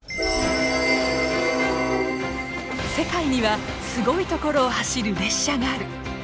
世界にはすごい所を走る列車がある！